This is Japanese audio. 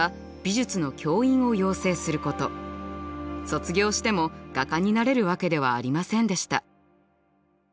卒業しても画家になれるわけではありませんでした。